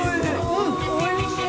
うんおいしい。